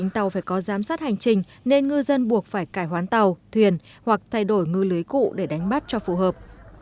tàu phải có giám sát hành trình nên ngư dân buộc phải cải hoán tàu thuyền hoặc thay đổi ngư lưới cụ để đánh bắt cho phù hợp